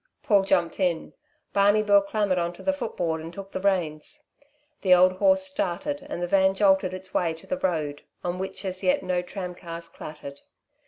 Paul jumped in. Barney Bill clambered onto the footboard and took the reins. The old horse started and the van jolted its way to the road, on which as yet no tramcars clattered.